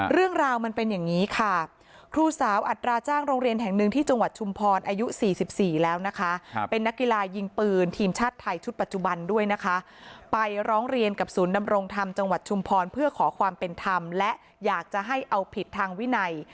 เรื่องราวมันเป็นอย่างนี้ค่ะครูสาวอัตราจ้างโรงเรียนแห่งหนึ่งที่จังหวัดชุมพรอายุ๔๔แล้วนะคะเป็นนักกีฬายิงปืนทีมชาติไทยชุดปัจจุบันด้วยนะคะไปร้องเรียนกับศูนย์ดำรงธรรมจังหวัดชุมพรเพื่อขอความเป็นธรรมและอยากจะให้เอาผิดทางวินัย